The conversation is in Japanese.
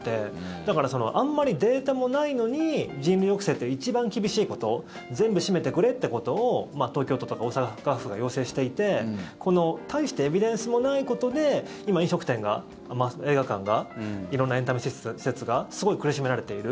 だから、あまりデータもないのに人流抑制って一番厳しいこと全部閉めてくれってことを東京都とか大阪府が要請していてこの大してエビデンスもないことで今、飲食店が、映画館が色んなエンタメ施設がすごい苦しめられている。